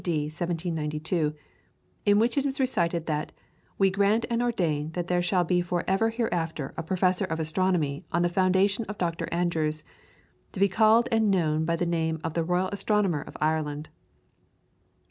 D. 1792), in which it is recited that "We grant and ordain that there shall be forever hereafter a Professor of Astronomy, on the foundation of Dr. Andrews, to be called and known by the name of the Royal Astronomer of Ireland."